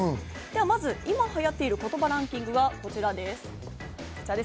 まず今流行ってる言葉ランキングはこちらです。